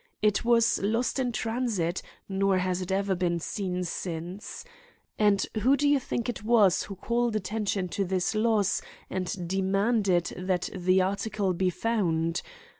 It was lost in transit, nor has it ever been seen since. And who do you think it was who called attention to this loss and demanded that the article be found?